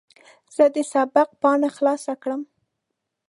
زه د سبق پاڼه خلاصه کړم.